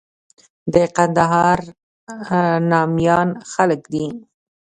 د کندهار ناميان خلک دي.